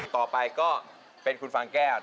ต่อไปก็เป็นคุณฟางแก้ว